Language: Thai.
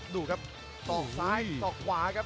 ดูครับสอกซ้ายสอกขวาครับ